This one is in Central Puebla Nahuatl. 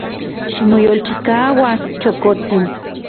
Ximoyolchikaua, chokotsin.